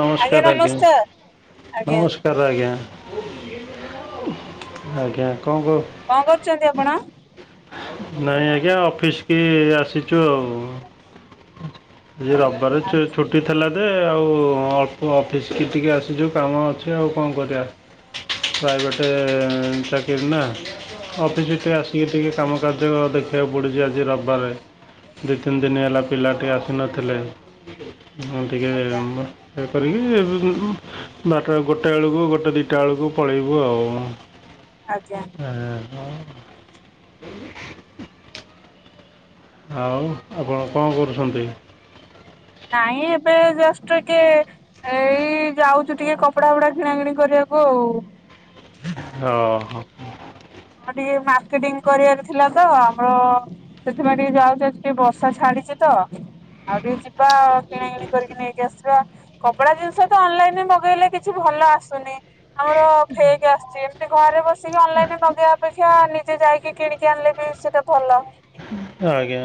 ନମସ୍କାର ଆଜ୍ଞା ନମସ୍ ଆଜ୍ଞା ନମସ୍କାର ଆଜ୍ଞା ଆଜ୍ଞା କଣ କହ କଣ କରୁଛନ୍ତି ଆପଣ? ନାଇଁ ଆଜ୍ଞା ଅଫିସ୍ କି ଆସିଛୁ ଆଉ। ଆଜି ରବିବାର ଛୁ ଛୁ ଆଜ୍ଞା ଛୁଟି ଥିଲା ଯେ ଆଉ ଅଲ୍ପ ଅଫିସ୍ କି ଟିକେ ଆସିଛୁ କାମ ଅଛି ଆଉ କଣ କରିବା। ପ୍ରାଇଭେଟ ଚାକିରି ନା। ଅଫିସିକି ଟିକେ ଆସିକି ଟିକେ କାମ କାର୍ଯ୍ୟ ଦେଖିବାକୁ ପଡୁଛି ଆଜି ରବିବାରେ। ଦୁଇ ତିନି ଦିନ ହେଲା ପିଲା ଟିକେ ଆସିନଥିଲେ ମୁଁ ଟିକେ ଆଜ୍ଞା ଇଏ କରିକି ବାରଟା ଗୋଟାଏ ବେଳକୁ ଗୋଟେ ଦିଟା ବେଳକୁ ପଳେଇବୁ ଆଉ। [inaudible] ଆଜ୍ଞା। ଏ କଣ? ଆଉ ଆପଣ କଣ କରୁଛନ୍ତି? ନାଇଁ ଏବେ ଜଷ୍ଟ ଟିକେ ଏଇ ଯାଉଛୁ ଟିକେ କପଡା ଫପଡା କିଣା କିିଣି କରିବାକୁ ଆଉ। ଅ ହ। ଆଉ ଟିକେ ମାର୍କେଟିଂ କରିବାର ଥିଲା ତ। ହ ସେଥିପାଇ ଟିକେ ଯାଉଚି ଆଜି ଟିକେ ବର୍ଷା ଛାଡ଼ିଚି। ତ ଆଉ ଟିକେ ଯିବା କିଣା କିିଣି କରିକି ନେଇକି ଆସିବା। କପଡା ଜିନିଷ ତ ଅନଲାଇନରେ ମଗେଇଲେ କିଛି ଭଲ ଆସୁନି। ଆମର ଫେକ୍ ଆସୁଛି। ସେ ଘରେ ବସିକି ଅନଲାଇନରେ ମଗେଇବା ଅପେକ୍ଷା ନିଜେ ଯାଇକି କିଣିକି ଆଣିଲେ ବି ସେଟା ଭଲ। ଆଜ୍ଞା।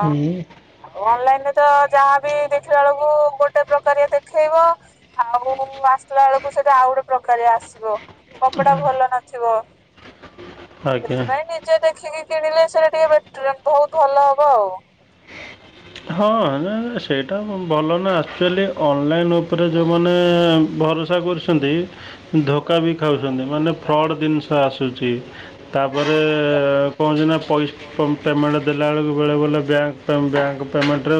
ହୁଁ ଅନଲାଇନରେ ତ ଯାହାବି ଦେଖିଲା ବେଳକୁ ଗୋଟେ ପ୍ରକାରିଆ ଦେଖେଇବ। ଆଉ ଆସିଲା ବେଳକୁ ସେଟା ଆଉ ଗୋଟେ ପ୍ରକାରିଆ ଆସିବ। କପଡା ଭଲ ନ ଥିବ। ଆଜ୍ଞା ସେଥିପାଇଁ ନିଜେ ଦେଖିକି କିଣିଲେ ସେଟା ଟିକେ ବେଟର ଭଲ ହବ ଆଉ। ହଁ। ନା ନା ସେଇଟା ଭଲ ନା। ଆକ୍ଚୁଆଲି ଅନଲାଇନ୍ ଉପରେ ଯେଉମାନେ ଭର ସା କରୁଛନ୍ତି ଧୋକା ବି ଖାଉଛନ୍ତି ମାନେ ଫ୍ରଡ଼୍ ଜିନିଷ ଆସୁଛି। ତାପରେ ଆଜ୍ଞା ପହଞ୍ଚିନା ପଇ ପେ-ପେମେଣ୍ଟ ଦେଲାବେେଳକୁ ବେଳେବେେଳେ ବ୍ୟାଙ୍କ ବ୍ୟାଙ୍କ ପେମେଣ୍ଟରେ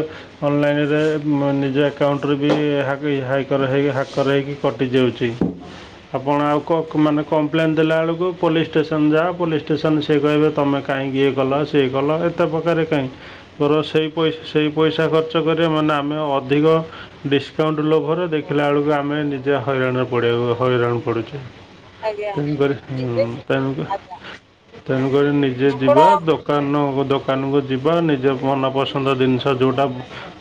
ଅନଲାଇନରେ ମୋ ନିଜ ଆକାଉଣ୍ଟରେ ବି ହାବି ହାଇକ୍ କରାହେଇ ହାକ୍ କରରେଇକି କଟିଯାଉଚି। ଆପଣ ଆଉ କ-ମାନେ କମ୍ପ୍ଲେନ୍ ଦେଲା ବେଳକୁ ପୋଲିସ ଷ୍ଟେସନ ଯାଅ ପୋଲିସ ଷ୍ଟେସନ ସେ କହିଲେ ତମେ କାହିଁକି ଇଏ କଲ ସିଏ କଲ ଏତେ ପ୍ରକାରେ କାହିଁକି ମୋର ସେଇ ପଇ ସେଇ ପଇସା ଖର୍ଚ୍ଚ କରିବ ମାନେ ଆମେ ଅଧିକ ଡିସ୍କାଉଣ୍ଟ ଲୋଭରେ ଦେଖିଲାବେଳକୁ ଆମେ ନିଜେ ହଇରାଣରେ ପଡ଼ିବାକୁ ହଇରାଣ ପଡ଼ୁଚୁ। ଆଜ୍ଞା ତେଣୁକରି ହୁଁ ନିଜେ କି ତେଣୁକ ଆଜ୍ଞା ତେଣୁକରି ନିଜେ ଆପଣ ଯିବା ଦୋ କାନକୁ ଦୋକାନକୁ ଯିବା ନିଜ ମନପସନ୍ଦ ଜିନିଷ ଯୋଉଟା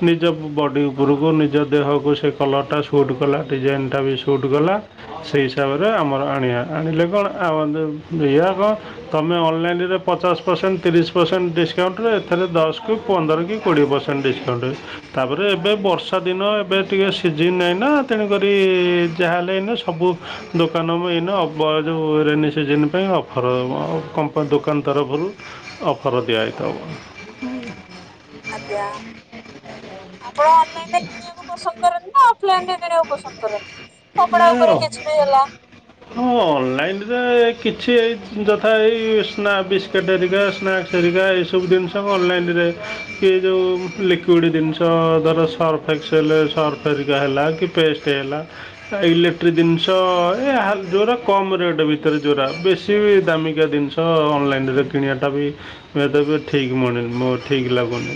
ନିଜ ବଡ଼ି ଉପରକୁ ନିଜ ଦେହକୁ ସେ କଲରଟା ସୁଟ୍ କଲା ଡିଜାଇନଟା ବି ସୁଟ୍ କଲା ସେଇ ହିସାବରେ ଆମର ଆଣିବା। ଆଣିଲେ କଣ [unintelligible] ତମେ ଅନଲାଇନରେ ପଚାଶ ପରସେଣ୍ଟ ତିରିଶ ପରସେଣ୍ଟ ଡିସ୍କାଉଣ୍ଟରେ। ଏଥିରେ ଦଶକୁ ପନ୍ଦର କି କୋଡ଼ିଏ ପରସେଣ୍ଟ ଡିସ୍କାଉଣ୍ଟ। ତାପରେ ଏବେ ବର୍ଷା ଦିନ ଏବେ ଟିକେ ସିଜିନ୍ ନାହିଁ ନା। ତେଣୁକରି ଯାହା ହେଲେ ଏଇନେ ସବୁ ଦୋକାନ ମୁ ଏଇନା ଅବ ଯେଉଁ ରେନି ସିଜନ ପାଇଁ ଅ [unintelligible] ଦୋକାନ ତରଫରୁ ଅଫର ଦିଆହେଇଥବ। [unintelligible] ଗ୍ୟା ଆପଣ ଅନଲାଇନରେ କିଣିବାକୁ ପସନ୍ଦ କରନ୍ତି ନା ଅଫଲାଇନରେ କିଣିବାକୁ ପସନ୍ଦ କରନ୍ତି। କେନ୍ତି କପଡା ଜାଣିଲ? ଉପରେ କିଛି ବି ହେଲା ହଁ ଅନଲାଇନରେ କିଛି ଏଇ ଯଥା ଏଇ ସ୍ନାକ୍ସ ବିସ୍କିଟ୍ ହେରିକ ସ୍ନାକ୍ସ ହେରିକା ଏସବୁ ଜିନିଷ ମୁଁ ଅନଲାଇନରେ କିଏ ଯେଉଁ ଲିକ୍ୱିଡ ଜିନିଷ ଧର ସର୍ଫ ଏକ୍ସେଲ ସର୍ଫ ହେରିକା ହେଲା କି ପେଷ୍ଟ ହେଲା। ଇଲେକ୍ଟ୍ରି ଜିନିଷ ଏ ହା ଯୋଉଟା କମ ରେଟ୍ ଭିତରେ ସେଟା ବେଶି ଦାମିକା ଜିନିଷ ତ ଅନଲାଇନରେ କିଣିବା ଟା ବି ଏଟାକୁ ଠିକ୍ ମନେ ମୋ ଠିକ୍ ଲାଗୁନି।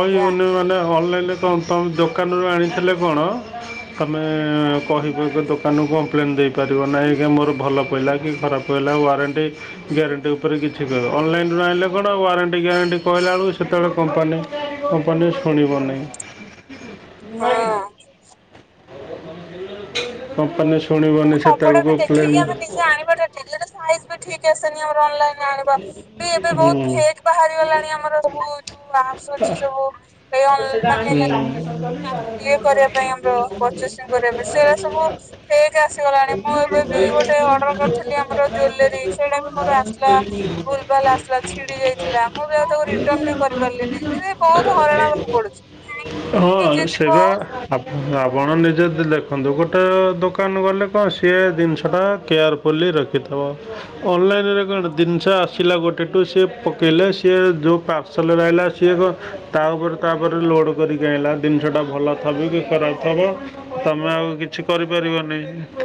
ଆଜ୍ଞା ମାନେ ଅନଲାଇନରେ କଣ ତମ ଦୋକାନରୁ ଆଣିଥିଲେ କଣ ତମେ କହିବ କି ଦୋକାନକୁ କମ୍ପ୍ଲେନ୍ ଦେଇପାରିବ। ନାହିଁ ଆଜ୍ଞା ମୋର ଭଲ ପଇଲା କି ଖରାପ ରହିଲା ୱାରେଣ୍ଟି ଗ୍ୟାରେଣ୍ଟି ଉପରେ କିଛି କହିବ। ଅନଲାଇନରୁ ଆଣିଲେ କଣ ୱାରେଣ୍ଟି ଗ୍ୟାରେଣ୍ଟି କହିଲା ବେଳକୁ ସେତେବେଳେ କମ୍ପାନୀ କମ୍ପାନୀ ଶୁଣିବ ନାହିଁ। ହଁ। କମ୍ପାନୀ ଆମର ଶୁଣିବନି କପଡା ବି ସେତେବେଳେକୁ ଦେଖିକି ଅଫଲାଇନ୍ ଆମେ ନିଜେ ଆଣିବାଟା ଠିକ୍। ଇଏ ତ ସାଇଜ ବି ଠିକ୍ ଆସେନି। ଆମର ଅନଲାଇନରେ ଆଣିବା ବି ଏବେ ବହୁତ ଫେକ୍ ପ୍ଲେନ୍ ବାହାରି ଗଲାଣି ଆମର ସବୁ ଯୋଉ ଆପ୍ସ ଅଛି ସବୁ। ଏ ମାନେ ଇଏ କରିବା ପାଇଁ ଆମ୍ବ ପରଚେଜ୍ କରିବା ପାଇଁ ସେ ସବୁ ଫେକ୍ ଆସିବ। ମାନେ ମୁଁ ଏବେ ବି ଗୋଟେ ଅର୍ଡର କରିଥିଲି ଆମର ଜୁଏଲାରୀ ସେଇଟା ବି ମୋର ଆସିଲା। ଭୁଲ ଭାଲ୍ ଆସିଲା। ଛିଡି ଯାଇଥିଲା। ମୁଁ ବି ଆଉ ତାକୁ ରିଟର୍ନ ବି କରି ପାରିଲିନି। ସେ ବହୁତ ହଇରାଣ ହବାକୁ ପଡୁଚି। ହଁ ସେବା ଆପଣ ନିଜେ ଦେଖନ୍ତୁ। ଗୋଟେ ଦୋକାନକୁ ଗଲେ କଣ ସିଏ ଜିନିଷ ଟା କେୟାର ଫୁଲି ରଖିଥବ। ଅନଲାଇନରେ କଣ ଜିନିଷ ଆସିଲା, ଗୋଟେ ଟୁ ସିଏ ପକେଇଲେ ସିଏ ଯେଉଁ ପା ପାର୍ସଲରେ ଆଇଲା ସିଏ କଣ ତା ଉପରେ ତା ପରେ ଲୋଡ କରିକି ଅଇଁଲା ଜିନିଷଟା ଭଲ ଥବ କି ଖରାପ ଥବ, ତମେ ଆଉ କିଛି କରିପାରିବନି।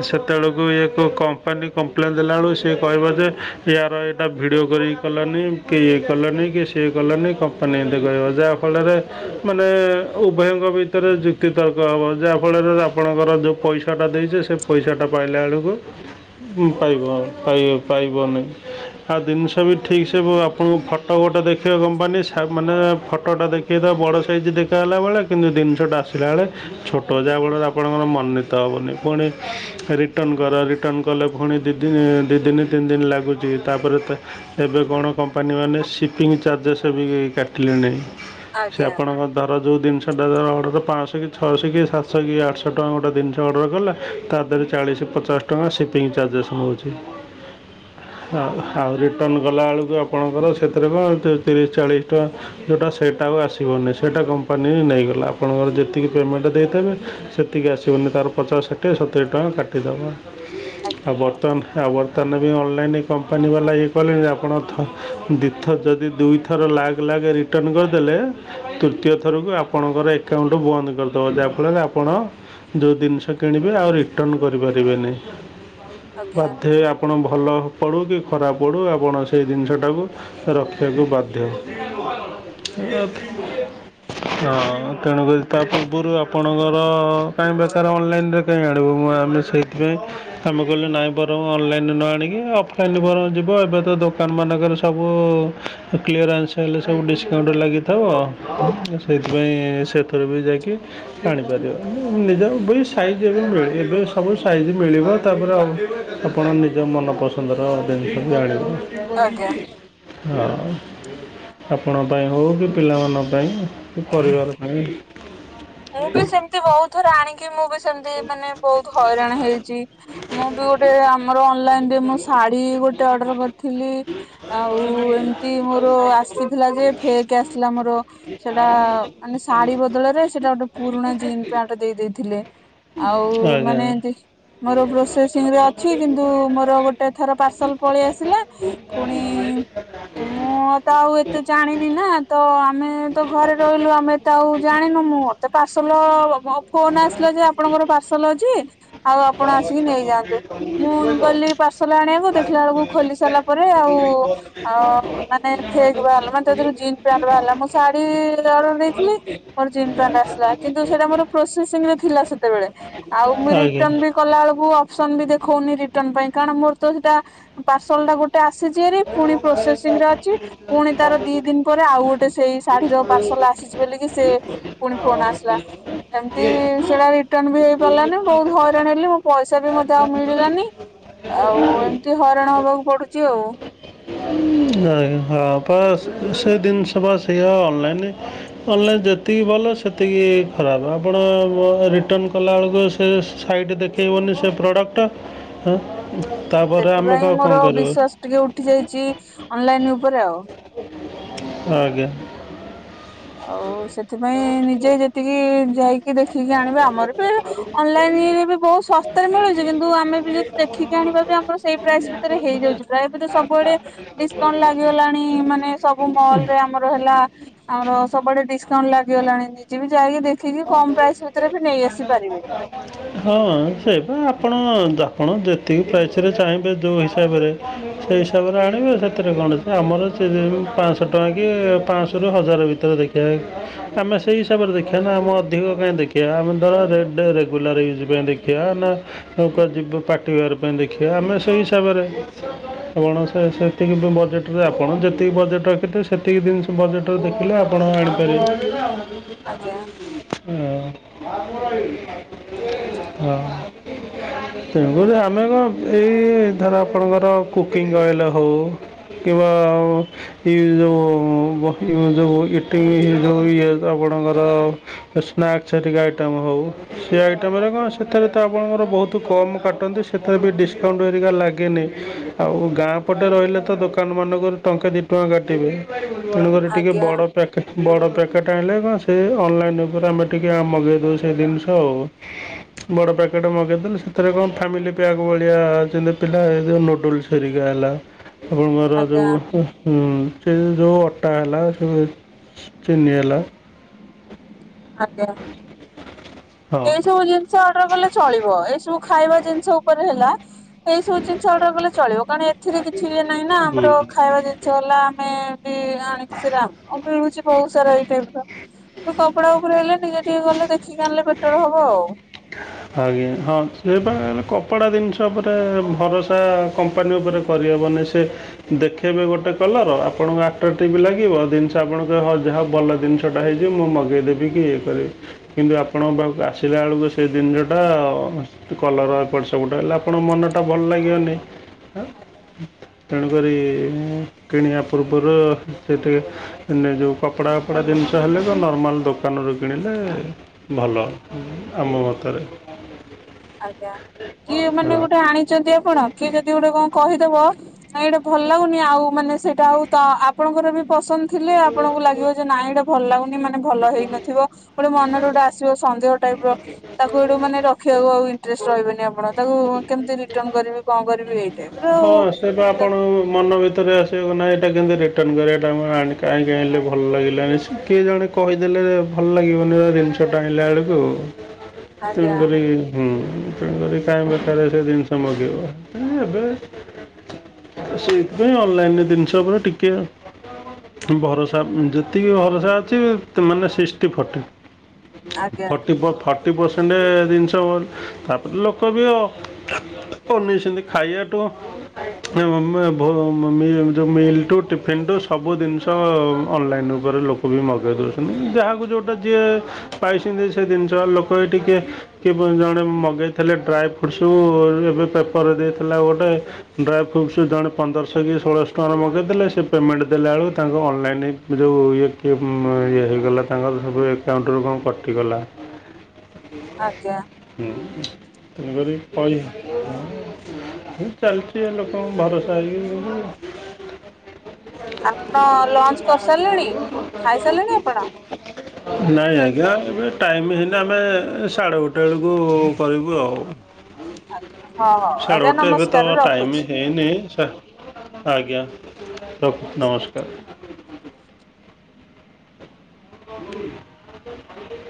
ସେତେବେଳକୁ ଇଏ ‌କୋଉ କମ୍ପାନୀ, କମ୍ପ୍ଲେନ୍ ଦେଲାବେଳୁକୁ ସିଏ କହିବ ଯେ, ୟାର ଏଇଟା ଭିଡ଼ିଓ କରିକି କଲାନି କି ଇଏ କାଲନି କି ସିଏ କଲାନି, କମ୍ପାନୀ ଏମିତି କହିବ ଯାହାଫଳରେ ମାନେ ଉଭୟଙ୍କ ଭିତରେ ଯୁକ୍ତିତର୍କ ହେବ। ଯାହାଫଳରେ ଆପଣଙ୍କର ଯେଉଁ ପଇସାଟା ଦେଇଛ ସେ ପଇସାଟା ପାଇଲା ବେଳକୁ ପାଇବ ପାଇ-ପାଇବନି। ଆଉ ଜିନିଷ ବି ଠିକ୍, ସେ ଆପଣଙ୍କୁ ଫଟୋ ଗୋଟେ ଦେଖେଇବ। କମ୍ପାନୀ ମାନେ ଫଟୋଟା ଦେଖେଇଦବ ବଡ ସା ଷ୍ଟେଜ୍ ଦେଖାଗଲା ବେଳେ କିନ୍ତୁ ଜିନିଷଟା ଆସିଲା ବେଳେ ଛୋଟ, ଯାହା ଫଳରେ ଆପଣଙ୍କର ମନନୀତ ହେବନି। ପୁଣି ରିଟର୍ଣ୍ଣ କର। ରିଟର୍ନ କାଲେ ପୁଣି ଦି-ଦି ଦିନ ତିନି ଦିନ ଲାଗୁଚି। ତା ପରେ ତ ଏବେ କଣ କମ୍ପାନୀମାନେ ସିପିଂ ଚାର୍ଜେସ୍ ବି କାଟିଲେଣି। ହାଏ। ସେ ଆପଣଙ୍କ ଧର ଯୋଉ ଜିନିଷଟା ଧର ଅର୍ଡ଼ର ପାଞ୍ଚଶହ କି ଛଅଶହ କି ସାତଶହ କି ଆଠଶହ ଟଙ୍କା ଗୋଟେ ଜିନିଷ ଅର୍ଡ଼ର କଲେ, ତା ଧିରେ ଚାଳିଶ ପଚାଶ ଟଙ୍କା ସିପିଙ୍ଗ୍ ଚାର୍ଜେସ ନଉଚି। ଆଉ ଆଉ ରିଟର୍ଣ୍ଣ କଲାବେଳକୁ ଆପଣଙ୍କର ସେଥିରେ ବା ତି-ତିରିଶ ଚାଳିଶ ଟଙ୍କା ଯୋଉଟା ସେଇଟାକୁ ଆଉ ଆସିବନି। ସେଇଟା କମ୍ପାନୀ ନେଇଗଲା, ଆପଣଙ୍କର ଯେତିକି ପେମେଣ୍ଟ ଦେଇଥେବେ ସେତିକି ଆସିବନି ତାର ପଚାଶ ଷାଠିଏ ସତୁରି ଟଙ୍କା କାଟିଦେବ। ଆଉ ଆଜ୍ଞା ବର୍ତ୍ତମାନ ଆଉ ବର୍ତ୍ତମାନ ବି ଅନଲାଇନ୍ କମ୍ପାନୀ ବାଲା ଇଏ କଲେଣି ଆପଣ ଥ-ଦି ଥର ଯଦି ଦୁଇ ଥ ଦି ଥର ଲାଗ୍ ଲାଗ୍ ରିଟର୍ଣ୍ଣ କରିଦେଲେ ତୃତୀୟ ଥରକୁ ଆପଣଙ୍କର ଏକାଉଣ୍ଟ ବନ୍ଦ କରିଦେବ। ଯାହା ଫଳରେ ଆପଣ ଯୋଉ ଦିନ୍‌ଷ କିଣିବେ ଆଉ ରିଟନ୍‌ କରିପାରିବେନି ଆଜ୍ଞା ବାଧ୍ୟ ହେଇ ଆପ୍ ପଣ ଭଲ ପଡ଼ୁ କି ଖରାପ ପଡ଼ୁ ଆପଣ ସେଇ ଜିନିଷଟାକୁ ରଖିଆକୁ ବାଧ୍ୟ। ହଁ ତେଣୁକରି ତା ପୂର୍ବରୁ ଆପଣଙ୍କର କାଇଁ ବେକାର ଅନ୍‌ଲାଇନରେ କାଇଁଆଣିବୁ ମୁଁ ଆନ୍‌ଲି ସେଇଥିପାଇଁ। ଆମେ କହିଲୁ ନାଇଁ ବରଂ ଅନଲାଇନ୍ ରୁ ନ ଆଣିକି ଅଫଲାଇନ୍ ରୁ ବରଂ ଯିବ ଏବେ ତ ଦୋକାନମାନାନଙ୍କରେ ସବୁ ତ କ୍ଲିୟରାନ୍ସ ହେଲେ ସବୁ ଡିସକାଉଣ୍ଟ ଲାଗି ତ ସେଇଥ୍ ପାଇଁ ସେଥର ବି ଯାଇକି ଜାଣିପାରିବ ଉଁ ନିଜର ବି ସାଇଜ୍ ଏବେ ମିଳେ ଏବେ ସବୁ ସାଇଜ୍ ମିଳିବ ତାପରେ ଅ ଆପଣ ନିଜ ମନପସନ୍ଦର ଜିନିଷ ବି ଆଣିବେ। ଆଜ୍ଞା ହଁ ଆପଣ ପାଇଁ ହଉ କି ପିଲାମାନଙ୍କ ପାଇଁ କି ପରିବାର ପାଇଁ। ମୁଁ ବି ସେମ୍ ତି ବହୁତ ଥର ଆଣିକି ମୁଁ ବି ସେମ୍ ତି ମାନେ ବହୁତ ହଇରାଣ ହେଇଚି। ମୁଁ ବି ଗୋଟେ ଆମର ଅନଲାଇନ ରେ ମୋ ଶାଢୀ ଗୋଟେ ଅର୍ଡର କର୍ ଥିଲି ଆଉ ଏମ୍ ତି ମୋର ଆସିଥିଲା ଯେ ଫେକ୍ ଆସିଲା ମୋର। ସେଟା ଆର ମାନେ ଶାଢୀ ବଦଳରେ ସେଟା ଗୋଟେ ପୁରୁଣା ଜିନ୍ ପ୍ୟାଣ୍ଟ ଦେଇ ଦେଇେଥିଲେ। ଆଉ ଆଜ୍ଞା ମାନେ ଏନ୍‌ତି ମୋର ପ୍ରୋସେସିଂ ରେ ଅଛି କିନ୍ତୁ ମୋର ଗୋଟେ ଥର ପାର୍ସଲ ପଳେଇ ଆସିଲା ଫୁଣି ମୁଁ ତା ଆଉ ଏତେ ଜାଣିନି ନା ତ ଆମେ ତ ଘରେ ରହିଲୁ ଆମେ ତା ଆଉ ଜାଣିନୁ ମୁଁ ଅ ତ ପାର୍ସଲ ଅଫ୍ ଫୋନ ଆସିଲା ଯେ ଆପଣଙ୍କର ପାର୍ସଲ ଅଛି ଆଉ ଆପଣ ଆସିକି ନେଇଯାଆନ୍ତୁ ମୁଁ ଗଲି। ପାର୍ସଲ ଆଣି ଆକୁ ଦେଖିଲା ବେଳକୁ ଖୋଲି ସାରିଲା ପରେ ଆଉ ଅ ମାନେ ଫେକ୍ ବାହାରିଲା ମାନେ ତାଧିରୁ ଜିନ୍ ପ୍ୟାଣ୍ଟ ବାହାରିଲା ମୁଁ ଶାଢୀ ଅର୍ଡର ଦେଇଥିଲି ମୋର ଜିନ୍ ପ୍ୟାଣ୍ଟ ଆସ୍‌ଲା କିନ୍ତୁ ସେଡା ମୋର ପ୍ରୋସେସିଂ ରେ ଥିଲା ସେତେବେଳେ ଆଉ ମୁଁ ଆଜ୍ଞା ରିଟନ୍‌ ବି କଲା ଏଳକୁ ଅପସନ ବି ଦେଖଉନି ରିଟନ୍‌ ପାଇଁ କାରଣ ମୋର ତ ସେଟା ପାର୍ସଲ ଟା ଗୋଟ଼୍ ଟା ଆସିଚି ଭାରି ଫୁଣି ପ୍ରୋସେସିଂ ରେ ଅଛି ପୁଣି ତାର ଦି ଦିନ ପରେ ଆଉ ଗୋଟେ ସେଇ ଶାଢୀର ପାର୍ସଲ ଆସିଛି ବୋଲିକି ସେ ପୁଣି ଫୋନ ଆସିଲା ଏମତି ସେଡା ରିଟର୍ଣ ବି ହେଇ ପାର୍ ଲାନି ବହୁତ ହଇରାଣ ହେଲି ମୋ ପଇସା ବି ମତେ ଆଉ ମିଳିଲାନି ଆଉ ଏମ୍ ତି ହଇରାଣ ହବାକୁ ପଡୁଛି ଆଉ। ହୁଁ ଆ ହ ଅପା ସେ ଦିନ୍‌ ଷ ବା ସେୟା ଅନ୍ ଲାଇନରେ। ଅନ୍‌ ଲା ଯେତିକି ଭଲ ସେତିକି ଖରାପ ଆପଣ ରିଟନ୍‌ କଲାବେେଳକୁ ସେ ସାଇଡ଼ ଦେଖ୍ କେଇବନି ସେ ପ୍ରଡ଼କ୍ଟ ଟା ହଁ ତାପରେ ଆମେ ସେଥିପାଇଁ ତାକ୍ ମୋର କଣ କରିବୁ? ବିଶ୍ଵାସ ଟିକେ ଉଠି ଯାଇଚି ଅନଲାଇନ ଉପରେ ଆଉ। ଆଜ୍ଞା। ଆଉ ସେଥିପାଇଁ ନିଜେ ଯେତିକି ଯାଇକି ଦେଖିକି ଆଣିବା ଆମର ବି ଅନ୍‌ଲାଇନିରେ ବି ବହୁତ ଶସ୍ତାରେ ମିଳୁଚି କିନ୍ତୁ ଆମେ ବି ଯଦି ଦେଖିକି ଆଣିବା ବି ଆମର ସେଇ ପ୍ରାଇସ୍ ଭିତରେ ହେଇଯାଉଚି ପ୍ରାୟ ବଧେ ସବୁଆଡେ ଡିସକାଉଣ୍ଟ ଲାଗିଗଲାଣି ମାନେ ସବୁ ମଲରେ ଆମର ହେଲା ଆମର ସବୁଆଡେ ଡିସକାଉଣ୍ଟ ଲାଗିଗଲାଣି ନିଜେବି ଯାଇଗି ଦେଖିକି କମ ପ୍ରାଇସ ଭିତେରେ ବି ନେଇ ଆସିପାରିବେ। ହଁ ସେ ବା ଆପଣ ଯାପଣ ଯେତିକି ପ୍ରାଇସ୍ରରେ ଚାହିଁବେ ଯୋଉ ହିସାବରେ ସେଇ ହିସାବରେ ଆଣିବେ ସେଥିରେ କଣ ସେ ଆମର ସେ ରେନ୍‌ ପାଆଁଶ ଟଙ୍କା କି ପାଆଁଶୁରୁ ହଜାର ଭିତ୍ ତ ଦେଖିଆ ଆମେ ସେଇ ହିସାବରେ ଦେଖିଆ ନା ଆମ ଅଧିକ କାଇଁ ଦେଖିଆ ଆମେ ଧର ରେଡ୍‌ଡେ ରେଗୁଲାର ୟୁ ପଖ ନା [unintelligible] ହଁ କୁଆଡ଼େ ଯିବ ପାର୍ଟି ଘର ପାଇଁ ଦେଖିବା ଆମେ ସେଇ ହିସାବରେ ଆପଣ ସେ ସେ ସେତିକି ବ ବଜେଟ୍ ରେ ଆପଣ ଯେତିକି ବଜେଟ୍ ରଖିଥିବେ ସେତିକି ଜିନିଷ ବଜେଟରେ ଦେଖିଲେ ଆପଣ ଆଣିପାରିବେ। ଆଜ୍ଞା ହଁ। ହଁ। ତେଣୁକୁରି ଆମେ କଣ ଏଇ ଧର ଆପଣଙ୍କର କୁକିଂ ଅଏଲ ହଉ। କିମ୍ବା ଆଉ ଏଇ ଯୋଉ ବହି ଯୋଉ ଇଟିଂ ଯୋଉ ଇଏ ଆପଣଙ୍କର ସ୍ନାକ୍ ଚା ଆଇଟମ ହଉ ସେ ଆ ଆଇଟମରେ କଣ ସେଥିରେ ତ ଆପଣଙ୍କର ବହୁତ କମ୍ କାଟନ୍ତି ସେଥିରେ ବି ଡିସକାଉଣ୍ଟ ହେରିକା ଲାଗେନି। ଆଉ ଗାଁ ପଟେ ରହିଲେ ତ ଦୋକାନକରେ ଟଙ୍କେ ଦି ଟଙ୍କା କାଟିବେ। ତେଣୁକରି ଟିକେ ଆଜ୍ଞା ବଡ ପ୍ୟା ବଡ଼ ପ୍ୟାକେଟ୍ ଆଣିଲେ କଣ ସେ ଅନଲାଇନ୍ ଉପରେ ଆମେ ଟିକେ ମଗେଇଦଉ ସେ ଜିନିଷ ଆଉ। ବଡ଼ ପ୍ୟାକେଟ୍ ମଗେଇଦେଲି ସେଥିରେ କଣ ଫ୍ୟାମିଲି ପ୍ୟାକ୍ ଭଳିଆ ଅଛନ୍ତି ପିଲା ଏ ଯେଉ ନୁଡୁଲ୍ସ। ହେରିକା ହେଲା ଆପଣଙ୍କର ଆଜ୍ଞା ଯୋଉ। ହୁଁ ସେ ଯୋଉ ଅଟା ହେଲା ସେ ଚିନି ହେଲା। ଆଜ୍ଞା ଏ ସବୁ ଜିନଷ ଅର୍ଡର କଲେ ଚଳିବ ଏସବୁ ଖାଇବା ଜିନିଷ ଉପରେ ହେଲା। ଏଇ ସବୁ ଜିନିଷ ଅର୍ଡର କଲେ ଚଳିବ କାରଣ ଏଥିରେ କିଛି ଇଏ ନାହିଁ ନାଁ ଆମର ହଁ ଖାଇବା ଜିନିଷ ହେଲା ଆମେ। ଆଣିକି ସେରା [unintelligible] ବିୁଛି ବହୁତ ସାରା ଏଇ ଟାଇପ ର ତୋ କପଡା ଉପରେ ହେଲେ ଟିକେ ଟିକେ ଗଲେ ଦେଖିକି ଆଣିଲେ ବେଟର ହବ ଆଉ। ଆଜ୍ଞା ହଁ ସେଇପା କପଡ଼ା ଜିନିଷ ଉପରେ ଭରସା କମ୍ପାନୀ ଉପରେ। କରି ହବନି ସେ। ଦେଖେଇବେ ଗୋଟେ କଲର ଆପଣଙ୍କୁ ଆଟ୍ରାକ୍ଟୀବି ଲାଗିବ ଜିନିଷ ଆପଣ କହିବେ ଯାହା ହଉ ଭଲ ଜିନିଷ। ଛୋଟ ହେଇଯିବ ମୁଁ ମଗେଇଦେବି କି ଇଏ କରିବି କିନ୍ତୁ ଆପଣଙ୍କ ପାଖକୁ ଆସିଲା ବଳକୁ ସେ ଜିନିଷଟା କଲର ଏପଟ ହେଲେ ଆପଣଙ୍କ ମନଟା ଭଲ ଲାଗିବନି। ତେଣୁକ କିଣିବା ପୂର୍ବରୁ ସେଥି। ମାନେ ଯୋଉ କପଡ଼ା ଫପଡ଼ା ଜିନିଷ ହେଲେ ତ ନର୍ମାଲ ଦୋକାନରୁ କିଣିଲେ। ଭଲ ଆମ ମତରେ। ଆଜ୍ଞା କିଏ ମାନେ ହଁ ଗୋଟେ ଆଣି ଚନ୍ତି। ଆପଣ କି ଯଦି ଗୋଟେ କଣ କହିଦବ ନାଇଁ ଏଇଟା ଭଲ ଲାଗୁନି ଆଉ ମାନେ ସେଇଟା ଆଉ ତ ଆ ଆପଣଙ୍କର ବି ପସନ୍ଦ ଥିଲେ ଆପଣଙ୍କୁ ଲାଗିବ ଯେ ନାଇଁ ଏଇଟା ଭଲ ଲାଗୁନି। ମାନେ ଭଲ ହେଇନଥିବ। ଗୋଟେ ମନରେ ଗୋଟେ ଆସିବ ସନ୍ଦେହ ଟାଇପ୍ ର ତାକୁ ଏଠୁ ମାନେ ରଖିବାକୁ ଆ ଇଣ୍ଟରେଷ୍ଟ ରହିବେନି ଆପଣ ତାକୁ କେମିତି ରିଟନ୍ କରିବି କଣ କରିବି ଏଇ ଟାଇପ ର ହଁ ଆଉ ସେ ବା ଆପଣ ମନ ଭିତରେ ଆସିବାକୁ ନାଁ ଏଇଟା କେମିତି ରିଟର୍ଣ୍ଣ କରିବାଟା ମୁଁ ଆଣିଲି କାହିଁକି ଭଲ ଲାଗିଲାନି ସେ କିଏ ଜଣେ କହିଦେଲେ ଭଲ ଲାଗିବନି ଜିନିଷ ଟା ଆଣିଲା ବେଳକୁ। ଆଜ୍ଞା ତେଣୁକରି ଆଜ୍ଞା ହୁଁ ତେଣୁକରି କାହିଁ ବେକାରରେ ସେ ଜିନିଷ ମଗେଇିବ। ନାଇଁ ଏବେ ସେଇଥିପାଇଁ ଅନଲାଇନରେ ଜିନିଷ ଉପରେ ଟିକେ ଭରସା ଯେତିକି ଭରସା ଅଛି ମାନେ ସିକ୍ସଟି ଫର୍ଟି। ଫୋର୍ଟି ଫର୍ ଫ ଫୋର୍ଟି ପରସେଣ୍ଟ ଜିନିଷ ତାପରେ ଲୋକ ବି ଅନେଇଚନ୍ତି ଖାଇବା ଟ। ଆମେ ମ ମ ବ ମ [unintelligible] ମିଲ୍ ଟୁ ଟିଫିନ୍ ଟୁ ସବୁ ଜିନିଷ ଅନଲାଇନ୍ ଉପରେ ଲୋକ ବି ମଗେଇ ଦଉଛନ୍ତି। ଯାହାକୁ ଯୋଉଟା ଯିଏ ପାଇଛନ୍ତି। ସେ ଜିନିଷ ଲୋକ ଟିକେ କିଏ ପୁଣି ଜଣେ ମଗେଇଥେଲେ ଡ୍ରାଏ ଫ୍ରୁଟସ୍ ସବୁ ଏବେ ପେପରରେ ଦେଇଥିଲା ଗୋଟେ ଡ୍ରାଏ ଫ୍ରୁଟ୍ସ ଜଣେ ପନ୍ଦରଶହ କି ଷୋହଳଶ ଟଙ୍କାର ମଗାଇ ଦେଲେ। ସେ ପେମେଣ୍ଟ ଦେଲାବେଳକୁ ତାଙ୍କ ଅନଲାଇନ୍ ଯୋଉ ଇଏ ଏ ମା ଇଏ ହେଇଗଲା। ତାଙ୍କର ସବୁ ଏକାଉଣ୍ଟରୁ କଣ କଟିଗଲା। ଆଜ୍ଞା ତୁମେ ଭାରି କହି ଚାଲିଛି ଏଲୋକଙ୍କୁ ଭରସା ହେଇକି [inaudible] ଆପଣ ଲଞ୍ଚ କରିସାରିଲେଣି, ଖାଇ ସାରିଲେଣି ଆପଣ? ନାଇଁ ଆଜ୍ଞା ଏବେ ଟାଇମ ହେଇନି ଆମେ ସାଢ଼େ ଗୋଟେ ଏଳୁକୁ କରିବୁ ଆଉ। ଆଜ୍ଞା ହଁ ହଉ ଆଜ୍ଞା ନମସ୍କାର ରଖୁଚି। ବି ହେଇନି ସା ଆଜ୍ଞା ରଖୁଚି ନମସ୍କାର। [inaudible]